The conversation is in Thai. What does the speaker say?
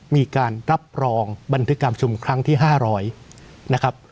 มีการรับรองบันทึกการชุมครั้งที่๕๐๐นะครับ